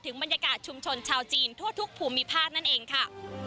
บรรยากาศชุมชนชาวจีนทั่วทุกภูมิภาคนั่นเองค่ะ